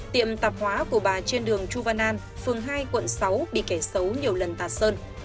tiệm tạp hóa của bà trên đường chu văn an phường hai quận sáu bị kẻ xấu nhiều lần tạt sơn